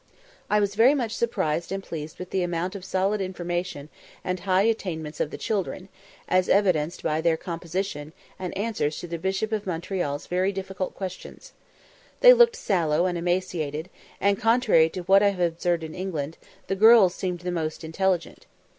I was very much surprised and pleased with the amount of solid information and high attainments of the children, as evidenced by their composition, and answers to the Bishop of Montreal's very difficult questions. They looked sallow and emaciated, and, contrary to what I have observed in England, the girls seemed the most intelligent.